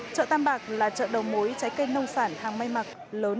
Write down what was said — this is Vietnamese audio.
chợ tam bạc là chợ đầu mối cháy cây nông sản hàng may mặc lớn của thành phố hoài phòng